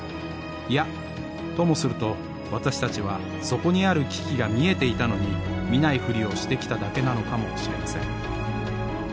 いやともすると私たちはそこにある危機が見えていたのに見ないふりをしてきただけなのかもしれません。